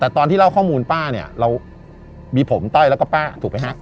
แต่ตอนที่เล่าข้อมูลป้าเนี่ยเรามีผมต้อยแล้วก็ป้าถูกไหมฮะ